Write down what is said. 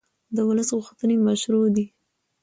د ولس غوښتنې مشروع دي